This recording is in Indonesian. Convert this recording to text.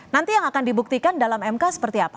nanti yang akan dibuktikan dalam mk seperti apa